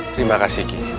terima kasih ki